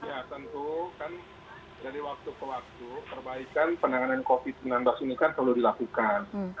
ya tentu kan dari waktu ke waktu perbaikan penanganan covid sembilan belas ini kan perlu dilakukan